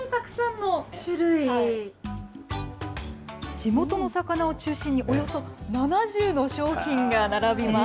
地元の魚を中心に、およそ７０の商品が並びます。